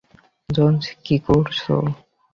Jones, কী করছ?